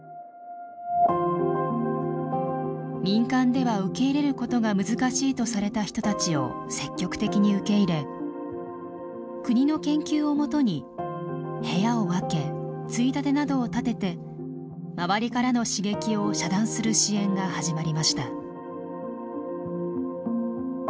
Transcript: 民間では受け入れることが難しいとされた人たちを積極的に受け入れ国の研究をもとに部屋を分けついたてなどを立てて周りからの刺激を遮断する支援が始まりました。